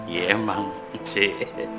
ya emang sih